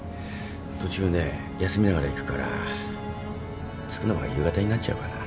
途中ね休みながら行くから着くのは夕方になっちゃうかな。